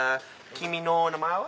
『君の名は。』